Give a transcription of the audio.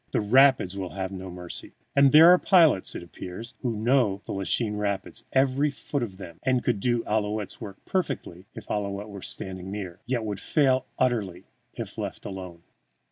The rapids will have no mercy. And there are pilots, it appears, who know the Lachine Rapids, every foot of them, and could do Ouillette's work perfectly if Ouillette were standing near, yet would fail utterly if left alone.